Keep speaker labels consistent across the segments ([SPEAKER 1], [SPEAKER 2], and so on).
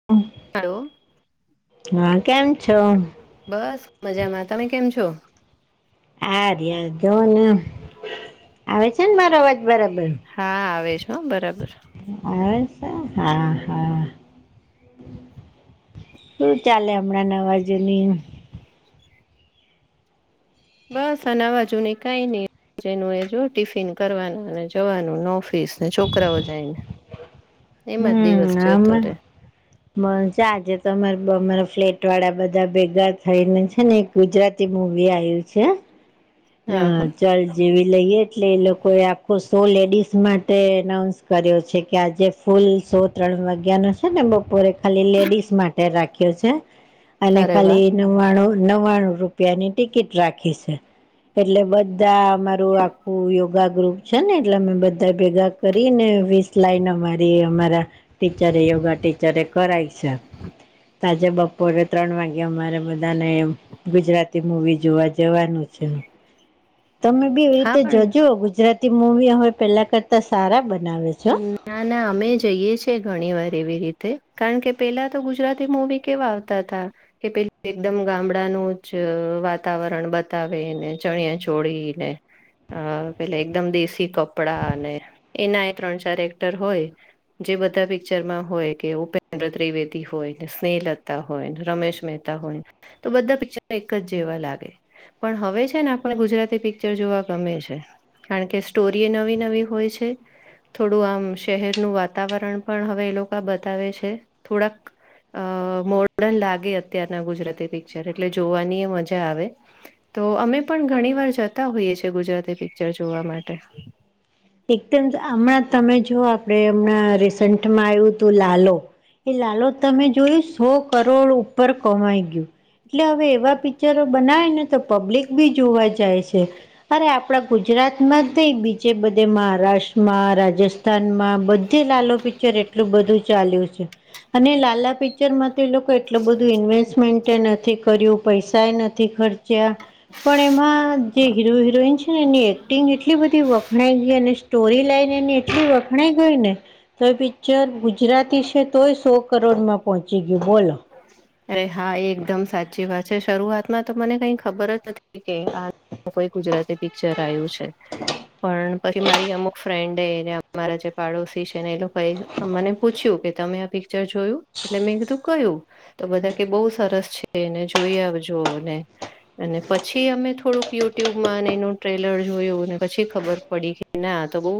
[SPEAKER 1] [inaudible]
[SPEAKER 2] Hello.
[SPEAKER 1] હા, કેમ છો?
[SPEAKER 2] બસ મજામાં તમે કેમ છો.
[SPEAKER 1] આ રાર જો ને આવે છે ને મારો અવાજ બરાબર.
[SPEAKER 2] હા આવે છે હ બરાબર.
[SPEAKER 1] [unintelligible] શું ચાલે હમણાં નવાજોની?
[SPEAKER 2] બસ આના બાજુ ન કઈ નહી. જેનું એ જો ટિફિન કરવાનું અને જવાનું ઓફિસ ને છોકરાઓ જાયને. એમાં જ દિવસ જતો રે.
[SPEAKER 1] બ છે આજે તો અમારે અમારા ફ્લેટ વાળા બધા ભેગા થઈને છે ને. ગુજરાતી મૂવી આવ્યું છે. હ
[SPEAKER 2] હા હા
[SPEAKER 1] ચાલ જેવી લઈએ એટલે એ લોકો એ આખો શો લેડીસ માટે એનાઉસ. કર્યો છે કે આજે ફૂલ સો ત્રણ વાગ્યા નો છે ને બપોરે ખાલી લેડીસ માટે રાખ્યો છે. અને
[SPEAKER 2] અરે વાહ
[SPEAKER 1] ખાલી નવ્વાણું નવ્વાણું રૂપિયાની ટિકિટ રાખી છે. એટલે બધા અમારું આખું યોગા ગ્રુપ છે ને એટલે અમે બધા ભેગા. કરીને વીસ લાઈન અમારી અમારા ટીચરે યોગા ટીચરે કરાય છે. તાજે બપોરે ત્રણ વાગે અમારે બધાને ગુજરાતી મુવી જોવા જએ. જવાનું છે. તમે બી એવી
[SPEAKER 2] હા
[SPEAKER 1] રીતે
[SPEAKER 2] પણ
[SPEAKER 1] જજો ગુજરાતી મૂવી હવે પેલા કરતા સારા બનાવે છે. હો.
[SPEAKER 2] હમ! ના ના અમે જઈએ છીએ ઘણી વાર એવી રીતે કારણ કે પેલા તો ગુજરાતી મુવી કેવા આવતા હતાા કે પે એકદમ ગામડાનું જ વાતાવરણ બતાવેને ચણિયા છોડીને. અ પેલે એકદમ દેશી કપડા અને એના એ ત્રણ ચાર એક્ટર હોય. જે બધા પિક્ચરમાં હોય કે ઉપેન્દ્ર ત્રિવેદી હોય ને સ્નેહલતા હોયને રમેશ મ. હોય તો બધા પિક્ચર એક જ જેવા લાગે. પણ હવે છે ને આપણ ગુજરાતી પિક્ચર જોવા ગમે છે. કારણ કે સ્ટોરી નવી નવી હોય છે. થોડું આમ શહેરનું વાતાવરણ પણ હવે એ લોકો બતાવે છે થોડાક. અ મોર્ડર્ન લાગે અત્યારના ગુજરાતી પિક્ચર એટલે જોવાની એ મજા આવે. તો અમે પણ ઘણી વાર જતા હોઈએ છીએ ગુજરાતી પિક્ચર જોવા માટે.
[SPEAKER 1] એકદમ હમણાં તમે જો આપણેે હમણાં રિસન્ટમાં આવ્યું હતું, લાલો. એ લાલો તમે જોયું સો કરોડ ઉપર કમાઈ ગયું એટલે હવે એવા પિક્ચરો બનાવેય ને તો પબ્લિક બી જોવા જાય છે અરે આપડા ગુજરાત માં થ બીજે બધા મહારાષ્ટ્રમાં રાજસ્થાનમાં બધે લાલ પિક્ચર એટલું બધું ચાલ્યું છે અને લાલા પી ફ્યુચરમાં તો એ લોકો એટલું બધું ઇન્વેસ્ટમેન્ટ નથી કર્યું પૈસાએ નથી ખર્ચ જ્યાં પણ એમાં જે હિરો હિરોઈન છે ને એની એક્ટિંગ એટલી બધી વ એ સ્ટોરી લઈને એને એટલું વખણાઈ ગઈ ને તોય પિક્ચર ગુજરાતી છે તોય સો કરોડમાં પહોંચી ગયું બોલો
[SPEAKER 2] અરે હા એ એકદમ સાચી વાત છે શરૂઆતમાં તો મને કઈ ખબર જ નથી કે આ કોઈ ગુજરાતી પિક્ચર આવ્યું છે પણ પછી મારી અમુક ફ્રેન્ડ એ મારા જે પાડોશી છે ને એ લોકો કઈ મને પૂછ્યું કે તમે આ પિક્ચર જોયું એટલે મેં કીધું કયું તો બધા કે બહુ સરસ છે એને જોઈ આવજો ને અને પછી અમે થોડુંક યુટ્યુબમાં એનું ટ્રેલર જોયું અને પછી ખબર પડી ગત ના તો બહુ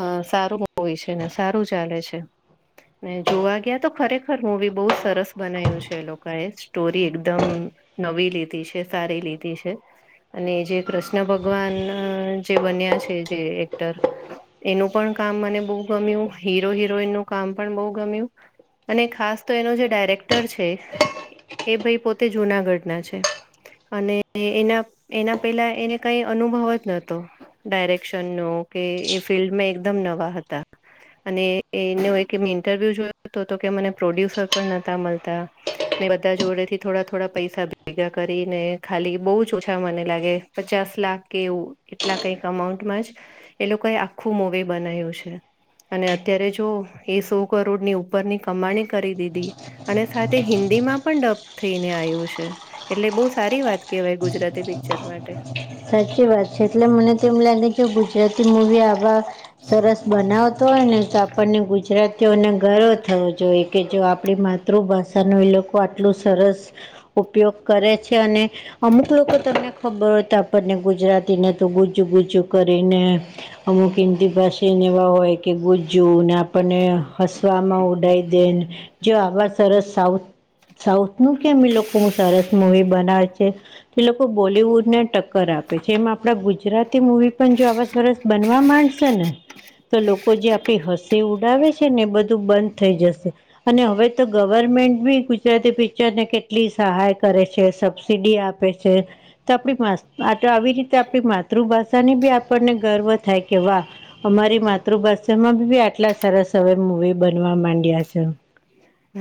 [SPEAKER 2] અ સારું હોય છે ને સારું ચાલે છે ને જોવા ગયા તો ખરેખર મુંવી બહુ સરસ બનાવય્યું છે એ લોકો એ સ્ટોરી એકદમ નવી લીધી છે સારી લીધી છે અને જે કૃષ્ણ ભગવાન જે બન્યા છે જે એક્ટર એનું પણ કામ મને બહુ ગમ્યું હીરો હિરોઈન નું કામ પણ બહુ ગમ્યું અને ખાસ તો એનો જે ડાયરેક્ટર છે એ ભાઈ પોતે જુનાગઢના છે અને એના એના પેલા એને કઈ અનુભવ જ નતો ડાયરેક્શન નો કે એ ફિલ્ડમાં એકદમ નવા હતા અને એને ઇન્ટરવ્યુ જોયો હતો તો કે મને પ્રોડ્યુસર પણ નહતા મળતા મેં બધા જોડે થી થોડા થોડા પૈસા ભેગા કરી ને ખાલી બહુ ઓછા મને લાગે પચાસ લાખ કે એવું એટલા કઈક અમાઉન્ટમાં જ એ લોકોએ આખું મૂવી બનાય્યું છે અને અત્યારે જો એ સો કરોડની ઉપરની કમાણી કરી દીધી અને સાથે હિન્દીમાં પણ ડપ થઈને આવ્યું છે એટલે બહુ સારી વાત કેહેવાય ગુજરાતી પિક્ચર માટે
[SPEAKER 1] સાચી વાત છે એટલે મને તેમમ લાગે કે ગુજરાતી મુવી આભ સરસ બનાવતો હોય ને તો આપણને ગુજરાત તેઓને ગર્વ થવો જોઈએ કે જો આપણી માતૃભાષાનો એ લોકો આટલું સરસ ઉપયોગ કરે છે અને અમુક લોકો તમને ખબર ત આપણને ગુજરાતીને તો ગૂજું ગૂજું કરીને અમુક એમથી પાસે એને એવા હોય કે ગુજ જવુંને આપને હસવામાં ઉડાઈ દે જે આવા સરસ સાઉથ સાઉથ નું કેમ એ લોકો હું સરસ મુવી બનાવે છે એ લોકો બોલીિવુડને ટક કર આપે છે એમ આપણા ગુજરાતી મુવી પણ જો આવા સરસ બનવા માંડશે ને તો લોકો જે આપડી હસી ઉડાવે છે ને એ બધું બંધ થઈ જશે અને હવે તો ગવર્મેન્ટ બી ગુજરાતી પિક્ચર ને કેટલી સહાય કરે છે સબસિડી આપે પ છે ત આપડી માસ્ત આ તો આવી રીતે આપણી માતૃભાષાની બી આપણને ગર્વ થાય કે વાહ અમારી માતૃભાષામાં બી આટલા સરસ હવે મુવી બનવા માંડ્યા છે.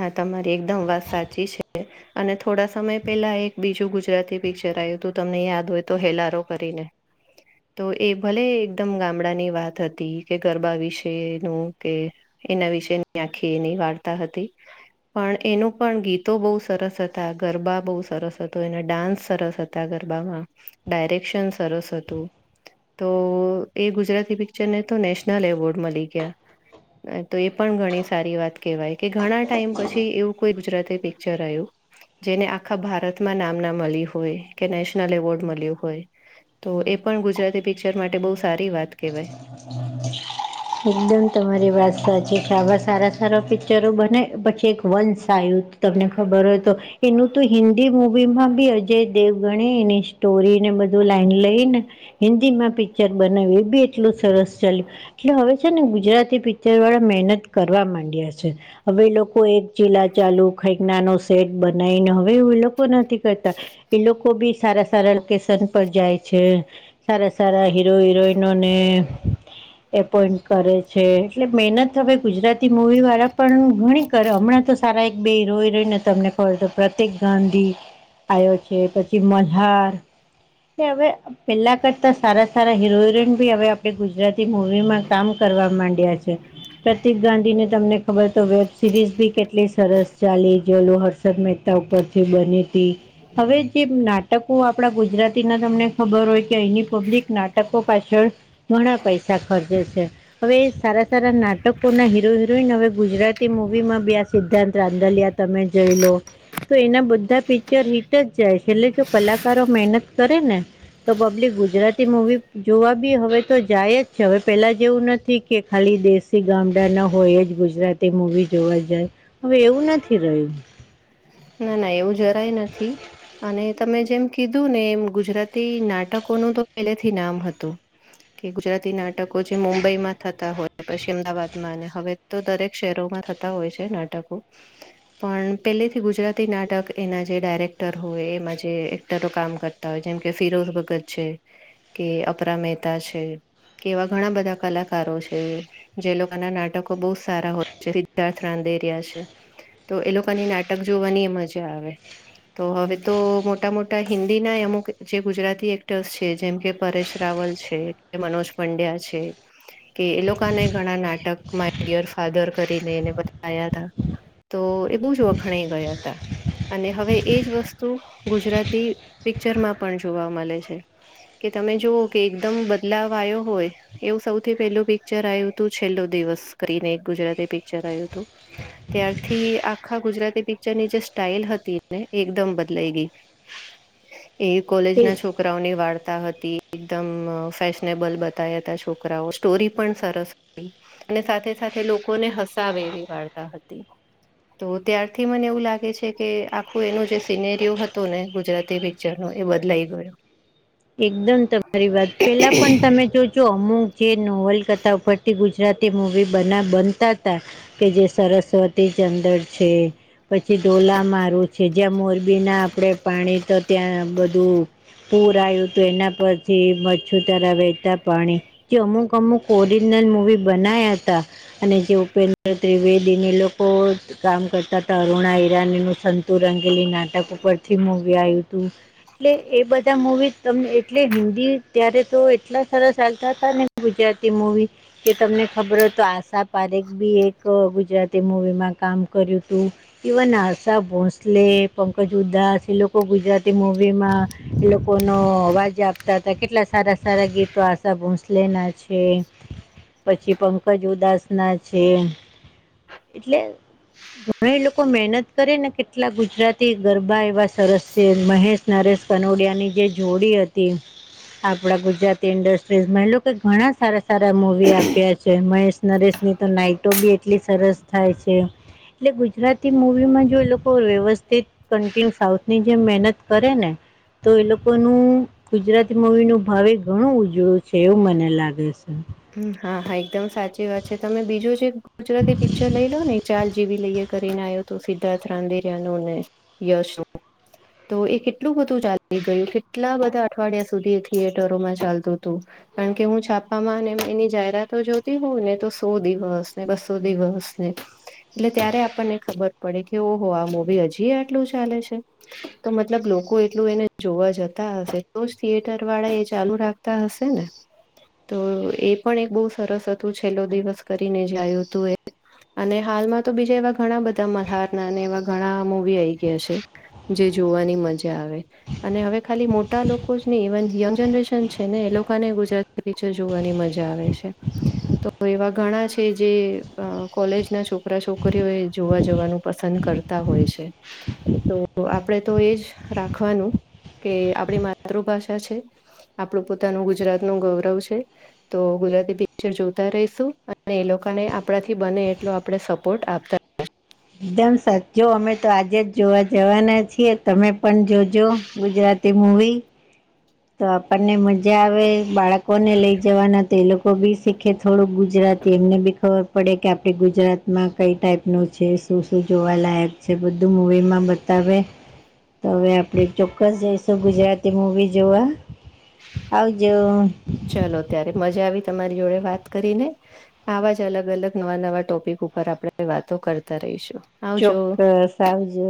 [SPEAKER 2] હા તમારી એકદમ વાત સાચી છે અને થોડા સમય પેલા એક બીજું ગુજરાતી પિક્ચર આવું તું તમને યાદ હોય તો હેલારો કરીને. તો એ ભલે એકદમ ગામડાની વાત હતી કે ગરબા વિશેનું કે એના વિશે ની આખી એની વાર્તા હતી.
[SPEAKER 1] [inaudible]
[SPEAKER 2] પણ એનું પણ ગીતો બહુ સરસ હતા ગરબા બહુ સરસ હતો એના ડાન્સ સરસ હતા. ગરબામાં ડાયરેક્શન સરસ હતું. તો એ ગુજરાતી પિચરને તો નેશનલ એવોર્ડ મળી ગયા. તો એ પણ ઘણી સારી વાત કેહેવાય કે ઘણા ટાઈમ પછી એવું કોઈ ગુજરાતી પિક્ચર આયુ જેને આખા ભારતમાં નામના મળી હોય કે નેશનલ એવોર્ડ મળ્યો હોય. તો એ પણ ગુજરાતી પિક્ચર માટે બહુ સારી વાત કહેવાય.
[SPEAKER 1] [inaudible] એકદમ તમારી વાત સાચી છે આવા સારા સારા પિક્ચરો બને પછી એક વંશ આયુ તુ. તમને ખબર હોય તો એનું તો હિન્દી મુવી માં બી અજય દેવગણે એની સ્ટોરી ને બધું લાઈન લઈ ને હિન્દી માં પિક્ચર બનાવ્યુ. બી એટલું સરસ ચાલ્યું એટલે હવે છે ને ગુજરાતી પિક્ચર વાળા મહેનત કરવા માંડ્યા છે. હવે એ લોકો એક ચીલા ચાલુ ખાઈ નાનો સેટ બનાવીને હવે એ લોકો નથી કરતા. એ લોકો ભી સારા સારા લોકેશન પર જાય છે સારા સારા હીરો હિરોઈન એને એપોઈન્ટ કરે છે એટલે મહેનત હવે ગુજરાતી મુૂવી વાળા પણ ઘણી હમણાં તો સારા એક બે હીરો હિરોઇન રહી ને તમને ખબર તો પ્રતીક ગાંધી આવ્યો છે પછી મજાર હવે પેલા કરતા સારા સારા હીરો હિરોઈ હવે આપણે ગુજરાતી મુવી માં કામ કરવા માંડ્યા છે પ્રતિક ગાંધી ને તમને ખબર તો વેબ સિરીઝ બી કેટલી સરસ ચાલી જેલું હર્ષદ મહેતા ઉપરથી બની હવે જે નાટ નાટકો આપણા ગુજરાતી ના તમને ખબર હોય કે અહીની પબ્લિક નાટકો પાછ ઘણા પૈસા ખર્ચે છે. હવે સારા સારા નાટકોના હીરો હિરોઈન હવે ગુજરાતી મુવી માં બે આ સિદ્ધાંત રાંધલ્યા હતા. તમે જઈ લો તો એના બધા પિક્ચર હિટ જ જાય છે એટલે જો કલાકારો મહેનત કરે ને તો પબ્લિક ગુજરાતી મુવી જોવા બી હવે તો જાય જ છે હવે પેલા જેવું નથી કે ખાલી દેશી ગામડા ના હોય જ ગુજરાત તે મુવી જોવા જાય હવે એવું નથી રહ્યું.
[SPEAKER 2] ના ના એવું જરાય નથી અને તમે જેમ કીધું ને એમ ગુજરાતી નાટકોનું તો પહેલેથી નામ હતું. કે ગુજરાતી નાટકો જે મુંબઈમાં થતા હોય પછી અમદાવાદમાં હવે તો દરેક શહેરોમાં થતા હોય છે નાટકો પણ પેલી ગુજરાતી નાટક એના જે ડાયરેક્ટર હોય એમાં જે એક્ટરો કામ કરતા હોય જેમ કે ફિરોઝ ભગત કે અપરા મહેતા છે કે એવા ઘણા બધા કલાકારો છે. જે લોકોના નાટકો બહુ સારા હોય છે સિદ્ધાર્થ રાંધેરિયા છે તો એ લોકોની નાટ નાટક જોવાની એ મજા આવે. તો હવે તો મોટા મોટા હિન્દી નાય અમુક જે ગુજરાતી એક્ટર્સ છે જેમ કે પરેશ રાવલ છે એ મનોજ પંડ્યા છે. કે એ લોકોને ઘણા નાટક માય ડિયર ફાધર કરીને એને બતાયા હતા. તો એ બહુ જ વખણાઈ ગયા હતા. અને હવે એજ વસ્તુ ગુજરાતી પિક્ચરમાં પણ જોવા મલે છે. કે તમે જોઓ કે એકદમ બદલાવ આયો હોય એવું સૌથી પેલું પિક્ચર આયું હતું છેલ્લો દિવસ કરીને એક ગુજરાતી પિક્ચર આયુંતું. ત્યારથી આખા ગુજરાત તે પિક્ચર ની જે સ્ટઇલ હતી ને એકદમ બદલાઈ ગઈ એક કોલેજ
[SPEAKER 1] એ
[SPEAKER 2] ના છોક કરાઓની વાર્તા હતી એકદમ ફેશનેબલ બતાયાતા છોકરાઓ સ્ટોરી પણ સરસ અને સાથે સાથે લોકોને હસાવે એવી વાર્તા હતી તો ત્યાં આથી મને એવું લાગે છે કે આખું એનોજે સિનેરીયો હતો ને ગુજરાતી પિક્ચરનો એ બદલાઈ ગયો.
[SPEAKER 1] એકદમ તમારી વાત પેલા પણ તમે જોજો અમુક જે નોવલ કથા ઉપરથી ગુજરાતી મૂવી બના બનતાતા. કે જે સરસ્વતી ચંદર છે પછી ઢોલા મારું છે જ્યાં મોરબીના આપણે પાણી તો ત્યાં બધું પૂર આયુતું એના પથી મચ્છુ તરા વહેતા પાણી જે અમુક અમુક ઓરિજનલ મૂવી બનાયા તા અને જે ઉપેન્દ્ર ત્રિવેદીને લોકો કામ કરતા હતા અરુણા ઈરાનીનું સંત તું રંગેલી નાટક ઉપરથી મુવી આયુ તું એટલે એ બધા મૂવી. તમને એટલે હિન્દી ત્યારે તો એટલા સરસ ચાલતા હતાને ગુજરાતી મૂવી. કે તમને ખબર હોય તો આશા પારેખબી એક ગુજરાતી મુવીમાં કામ કર્યું તું. ઇવન આશા ભોંસલે, પંકજ ઉદાસ એ લોકો ગુજરાતી મુૂવી માં એ લોકો નો અવાજ આપતા હતા કેટલા સારા સારા ગીતો આશા ભોસલેના છે. પછી પંકજ ઉદાસના છે એટલે ઘણાય લોકો મહેનત કરે ને કેટલા ગુજરાતી ગરબા એવા સરસ છે મહેશ નરેશ કનોડિયાની જે જોડી હતી આપણા ગુજરાતી ઇન્ડસ્ટ્રીઝમાં એ લોકોએ ઘણા સારા સારા મુવી આપ્યા છે મહેશ નરેશ ની તો નાઈટો બી એટલી સરસ થાય છે. એટલે ગુજરાતી મૂવીમાં જો એ લોકો વ્યવસ્થિત કન્ટિન્યુ સાઉથની જેમ મહેનત કરે ને તો એલોક કોનું ગુજરાતી મૂવીનું ભાવે ઘણું ઉજળું છે એવું મને લાગે છે.
[SPEAKER 2] હા હા એકદમ સાચી વાત છે તમે બીજું જે ગુજરાતી પિક્ચર લઈ લો ને ચાર જેવી લહિયા કરીને આયો તો સિદ્ધાર્થ રાંધેરિયા નો ને યશ નું તો એ કેટલું બધું ચાલી ગયું કેટલા બધા અઠવાડિયા સુધી થિયેટરોમાં ચાલતું તું. કારણ કે હું છાપામાં અને એની જાહેરાતો જોતી હોઉને તો સો દિવસ ને બસો દિવસને એટલે ત્યારે આપણને ખબર પડે કે ઓહો આ મુવી હજી આટલું ચાલે છે. તો મતલબ લોકો એટલું એને જોવા જતા હશે તોજ થિયેટર વાળા એ ચાલુ રાખ તા હશે ને. તો એ પણ એક બહુ સરસ હતું છેલ્લો દિવસ કરીને જે આયુ તું એ અને હાલમાં તો બીજા એવા ઘણા બધા મલ્હારના અને એવા ઘણા મૂવી આઈ ગ્યા છે. જે જોવાની મજા આવે. અને હવે ખાલી મોટા લોકોજ નહી ઇવન યંગ જનરેશન છે ને એ લોકોને ગુજરાત તે પિક્ચર જોવાની મજા આવે છે. તો એવા ઘણા છે જે અ કોલેજના છોકરા છોકરીઓ એ જોવા જવાનું પસંદ કર તા હોય છે એતો તો આપણે તો એજ રાખવાનું કે આપણી માતૃભાષા છે. આપણું પોતાનું ગુજરાતનું ગૌરવ છે. તો ગુજરાતી પિક્ચર જોતા રહીશું અને એ લોકોને આપણાથી બને એટલો આપડણે સપોર્ટ આપતા
[SPEAKER 1] એકદમ સાચચો અમે તો આજેજ જોવા જવાના છીએ તમે પણ જોજો. ગુજરાતી મૂવી તો આપણને મજા આવે બાળકોને લઈ જવાના તો એલોકો તો બી શીખે થોડું ગુજરાતી એમને બી ખબર પડે કે આપણે ગુજરાતમાં કઈ ટાઈપ નું છે શું શું જોવાલાયક છે બધું મૂવીમાં બતાવે તો હવે આપણેે ચોક્કસ જઈશું ગુજરાતી મુવીઝ જોવા આવજો.
[SPEAKER 2] ચાલો ત્યારે મજા આવી તમારી જોડે વાત કરીને. આવા જ અલગ અલગ નવા નવા ટોપિક ઉપર આપણે વાતો કરતા રહીશું. આવજો
[SPEAKER 1] ચોક્કસ આવજો.